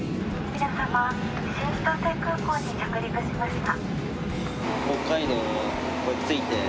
皆様新千歳空港に着陸しました。